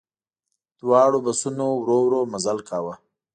دواړو بسونو ورو ورو مزل کاوه.